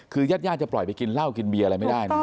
คือญาติญาติจะปล่อยไปกินเหล้ากินเบียร์อะไรไม่ได้นะ